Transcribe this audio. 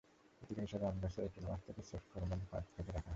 প্রতিকার হিসেবে আমগাছে এপ্রিল মাস থেকে সেক্সফেরোমন ফাঁদ পেতে রাখতে হয়।